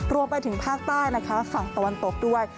รวมไปถึงภาคใต้นะคะฝั่งตะวันตกด้วย